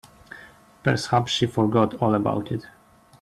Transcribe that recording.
Perhaps she forgot all about it.